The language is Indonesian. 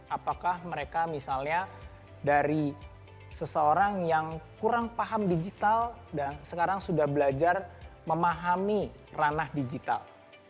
apakah mereka misalnya dari seseorang yang kurang paham digital dan sekarang sudah belajar memahami ranah digital